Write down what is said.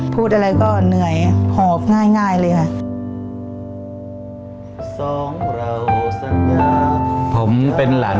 พูดอะไรก็เหนื่อย